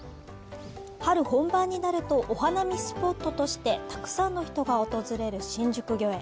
春本番になるとお花見スポットとしてたくさんの人が訪れる新宿御苑。